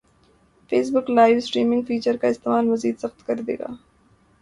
face بک live streaming feature کا استعمال مزید سخت کریگا